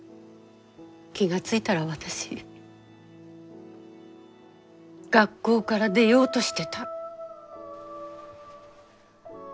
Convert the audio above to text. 気が付いたら私学校から出ようとしてた。